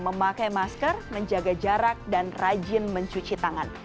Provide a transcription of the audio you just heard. memakai masker menjaga jarak dan rajin mencuci tangan